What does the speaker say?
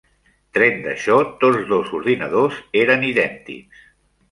Tret d'això, tots dos ordinadors eren idèntics.